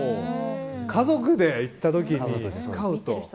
家族で行った時にスカウト。